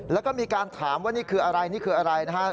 แล้วก็มีการถามว่านี่คืออะไรนี่คืออะไรนะครับ